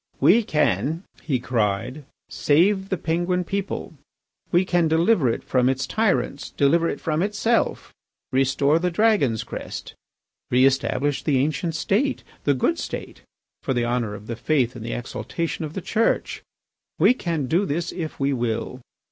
"We can," he cried, "save the Penguin people, we can deliver it from its tyrants, deliver it from itself, restore the Dragon's crest, re establish the ancient State, the good State, for the honour of the faith and the exaltation of the Church. We can do this if we will.